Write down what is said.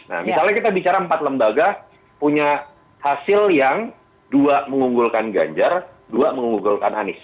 nah misalnya kita bicara empat lembaga punya hasil yang dua mengunggulkan ganjar dua mengunggulkan anies